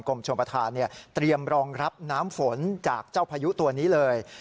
ชมประธานเตรียมรองรับน้ำฝนจากเจ้าพายุตัวนี้เลย